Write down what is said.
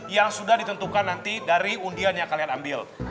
yang sudah ditentukan nanti dari undian yang kalian ambil